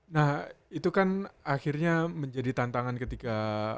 nah itu kan akhirnya menjadi tantangan ketika